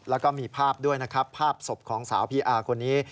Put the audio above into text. แล้วก็มีภาพด้วยนะครับภาพศพของสาวพีอาร์คนนี้